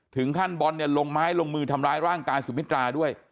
ถึงขั้นบอลเนี่ยลงไม้ลงมือทำร้ายร่างกายสุมิตราด้วย